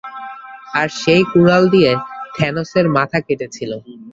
আর সেই কুড়াল দিয়ে থ্যানোসের মাথা কেটেছিল।